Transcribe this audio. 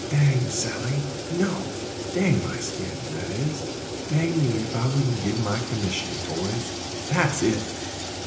"Dang Sally—no, dang my skin—that is, dang me if I wouldn't give my commission, boys, that's it!